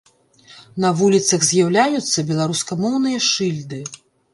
На вуліцах з'яўляюцца беларускамоўныя шыльды.